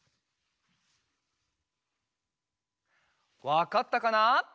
わかったかな？